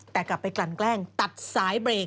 แต่กลับไปกลั่นแกล้งตัดสายเบรก